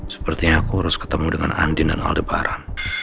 sepertinya aku harus ketemu dengan andin dan aldebaran